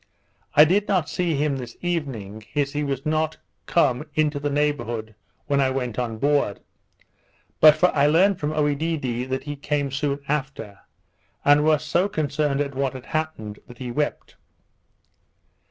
I did not see him this evening, as he was not come into the neighbourhood when I went on board; but I learnt from Oedidee that he came soon after, and was so concerned at what had happened that he wept.